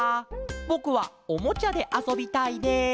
ぼくはおもちゃであそびたいです」。